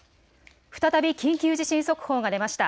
再び緊急地震速報が出ました。